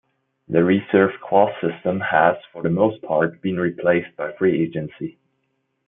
The reserve clause system has, for the most part, been replaced by free agency.